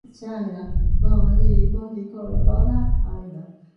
মার্কিন আর্টিলারিদের ঘাঁটি জয় করো।